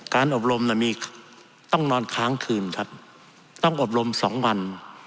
อบรมต้องนอนค้างคืนครับต้องอบรม๒วัน